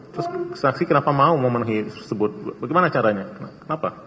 terus saksi kenapa mau memenuhi tersebut bagaimana caranya kenapa